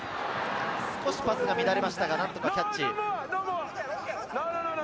少しパスが乱れましたが何とかキャッチ。